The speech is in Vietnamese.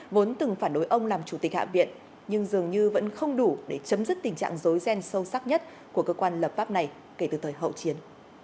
vốn từng phản đối ông làm chủ tịch hạ viện nhưng dường như vẫn không đủ để chấm dứt tình trạng dối ghen sâu sắc nhất của cơ quan lập pháp này kể từ thời hậu chiến